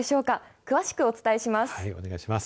詳しくお伝えします。